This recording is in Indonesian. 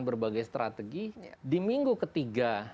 berbagai strategi di minggu ketiga